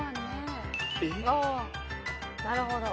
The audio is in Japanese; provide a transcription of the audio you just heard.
・なるほど。